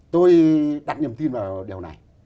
tôi đặt niềm tin vào điều này